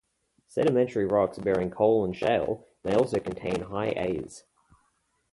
Sedimentary rocks bearing coal and shale may also contain high As.